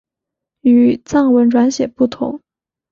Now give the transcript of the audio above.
与藏文转写不同。